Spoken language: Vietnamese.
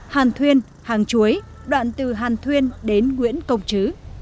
hàn thuyên hàng chuối đoạn từ hàn thuyên đến nguyễn công chứ